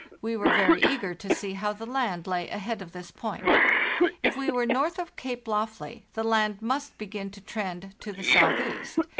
We were very eager to see how the land lay ahead of this point. If we were north of Cape Lofley, the land must begin to trend to the southeast.